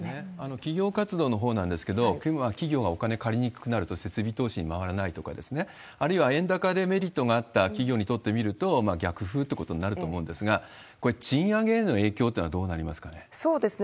企業活動のほうなんですけれども、企業がお金借りにくくなると設備投資に回らないとか、あるいは円高でメリットがあった企業にとってみると、逆風ってことになると思うんですが、これ、賃上げへの影響というのはどうなりますかね？